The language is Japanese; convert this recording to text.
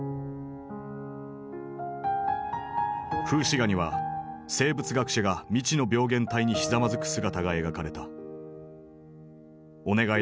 風刺画には生物学者が未知の病原体にひざまずく姿が描かれた。